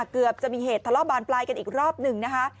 เกือบจะมีเหตุทะเลาะบานปลายกันอีกรอบหนึ่งนะคะ